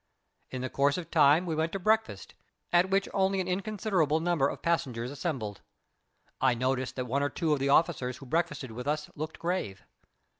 In the course of time we went to breakfast, at which only an inconsiderable number of passengers assembled. I noticed that one or two of the officers who breakfasted with us looked grave.